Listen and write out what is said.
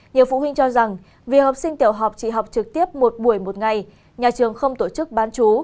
nhiều phụ huynh cho rằng vì học sinh tiểu học chỉ học trực tiếp một buổi một ngày nhà trường không tổ chức bán chú